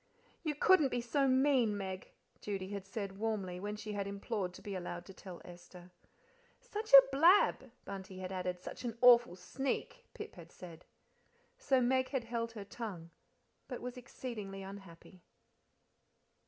"You couldn't be so mean, Meg," Judy had said warmly, when she had implored to be allowed to tell Esther. "Such a blab!" Bunty had added. "Such an awful sneak!" Pip had said. So Meg held her tongue, but was exceedingly unhappy.